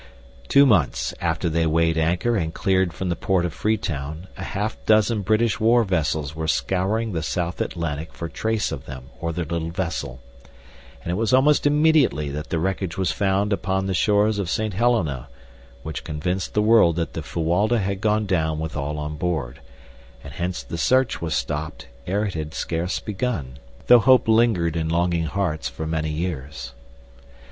Two months after they weighed anchor and cleared from the port of Freetown a half dozen British war vessels were scouring the south Atlantic for trace of them or their little vessel, and it was almost immediately that the wreckage was found upon the shores of St. Helena which convinced the world that the Fuwalda had gone down with all on board, and hence the search was stopped ere it had scarce begun; though hope lingered in longing hearts for many years.